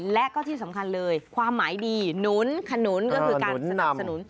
และก็ที่สำคัญเลยความหมายดีหนุนขนุนก็คือการสนับสนุน